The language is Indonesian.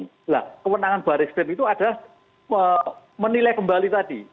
nah kemenangan baris rem itu adalah menilai kembali tadi